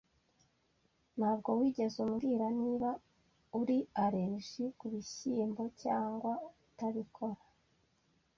Ntabwo wigeze umbwira niba uri allergie kubishyimbo cyangwa utabikora.